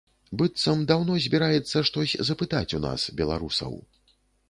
Быццам даўно збіраецца штось запытаць у нас, беларусаў.